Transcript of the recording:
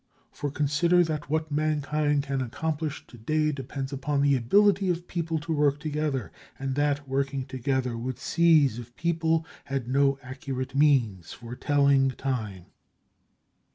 For consider that what mankind can accomplish to day depends upon the ability of people to work together, and that working together would cease if people had no accurate means for telling time.